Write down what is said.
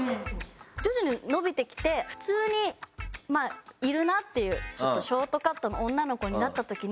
徐々に伸びてきて普通にいるなっていうちょっとショートカットの女の子になった時に。